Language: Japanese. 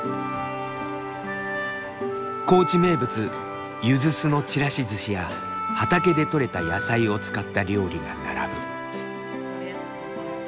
高知名物ゆず酢のちらし寿司や畑でとれた野菜を使った料理が並ぶ。